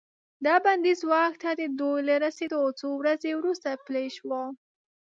دا بندیز واک ته د دوی له رسیدو څو ورځې وروسته پلی شو.